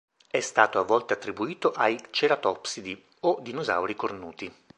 È stato a volte attribuito ai ceratopsidi, o dinosauri cornuti.